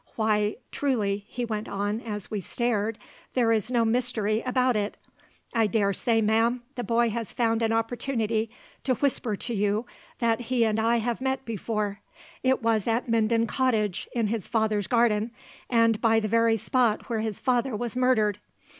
Why, truly," he went on, as we stared, "there is no mystery about it. I dare say, ma'am, the boy has found an opportunity to whisper to you that he and I have met before. It was at Minden Cottage, in his father's garden, and by the very spot where his father was murdered.